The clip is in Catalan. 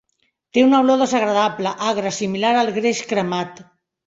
Té una olor desagradable, agre, similar al greix cremat.